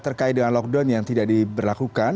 terkait dengan lockdown yang tidak diberlakukan